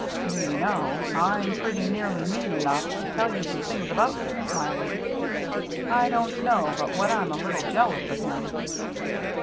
" Do you know, I'm pretty nearly mean enough to tell you some things about Dick 84 THE MERRT ANNE Smiley. I don't know but what I'm a little jealous of him."